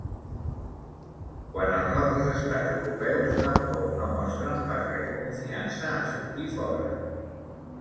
Quant als altres estats europeus, tampoc no mostren pas gaire confiança a sortir fora.